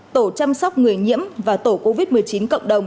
tổ chăm sóc người nhiễm và tổ covid một mươi chín cộng đồng